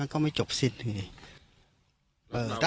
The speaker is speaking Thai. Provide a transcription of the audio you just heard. มันก็ไม่จบสิ้นเลย